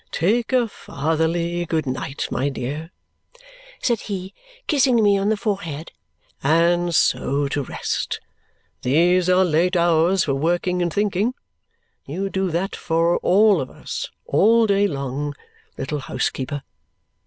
"Take a fatherly good night, my dear," said he, kissing me on the forehead, "and so to rest. These are late hours for working and thinking. You do that for all of us, all day long, little housekeeper!"